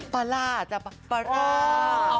ปลาร่าจะปลาร่า